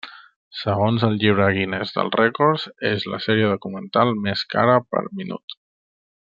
Segons el Llibre Guinness dels rècords, és la sèrie documental més cara per minut.